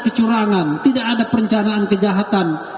kecurangan tidak ada perencanaan kejahatan